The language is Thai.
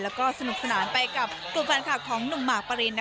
แล้วก็สนุกสนานไปกับกลุ่มแฟนคลับของหนุ่มหมากปริน